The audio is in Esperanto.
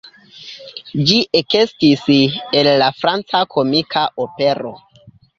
Ĝi ekestis el la franca komika opero.